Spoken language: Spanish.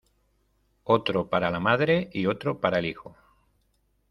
otro para la madre y otro para el hijo.